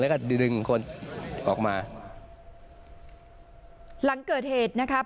แล้วก็ดึงคนออกมาหลังเกิดเหตุนะครับ